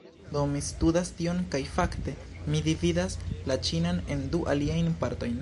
Do, mi studas tion kaj, fakte, mi dividas la ĉinan en du aliajn partojn